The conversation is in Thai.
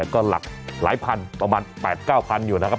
ก็หลักหลายพันประมาณ๘๙พันอยู่นะครับ